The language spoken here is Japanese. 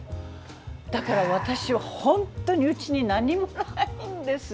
だから、私はうちに何もないんです。